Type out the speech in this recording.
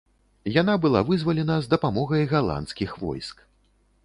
Яна была вызвалена з дапамогай галандскіх войск.